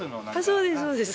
そうですそうです。